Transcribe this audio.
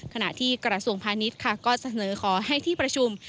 ขณะที่กระทรวงพาณิชย์ค่ะก็เสนอขอให้ที่ประชุม